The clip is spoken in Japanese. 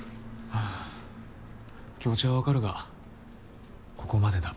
気持ちは分かるがここまでだ。